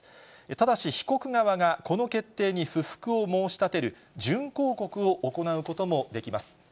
ただし、被告側がこの決定に不服を申し立てる準抗告を行うこともできます。